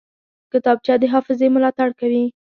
کتابچه د حافظې ملاتړ کوي